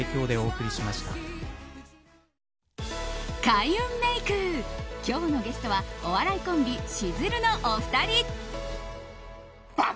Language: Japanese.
開運メイク、今日のゲストはお笑いコンビ・しずるのお二人。